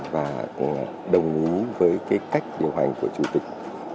và đồng ý với cái cách điều hành của chủ tịch